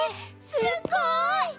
すっごい！